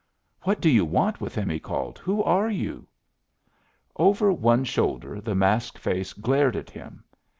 "What do you want with him?" he called. "Who are you?" Over one shoulder the masked face glared at him.